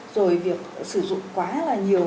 rồi việc sử dụng quá là nhiều